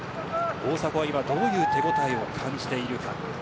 大迫はどういう手応えを感じているのか。